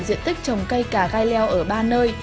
diện tích trồng cây cà gai leo ở ba nơi